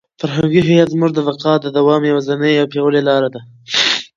فرهنګي هویت زموږ د بقا او د دوام یوازینۍ او پیاوړې لاره ده.